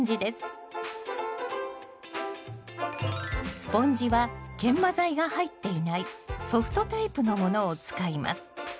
スポンジは研磨材が入っていないソフトタイプのものを使います。